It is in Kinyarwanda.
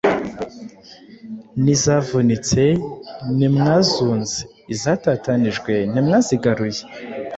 n’izavunitse ntimwazunze, izatatanijwe ntimwazigaruye,